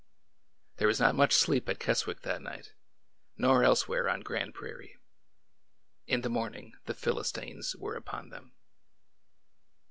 There was not much sleep at Keswick that night, nor elsewhere on Grand Prairie. In the morning the Philis tines were upon them.